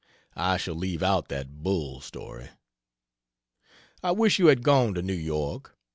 I shall leave out that bull story. I wish you had gone to New York.